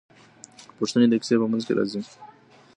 پوښتنې د کیسې په منځ کې راځي.